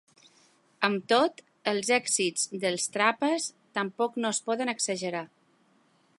Amb tot, els èxits dels Trapas tampoc no es poden exagerar.